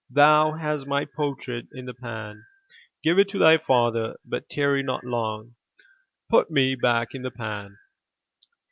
Thou hast my portrait in the pan; give it to thy father, but tarry not long. Put me back in the pan."